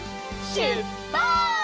しゅっぱつ！